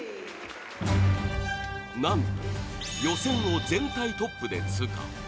なんと、予選を全体トップで通過。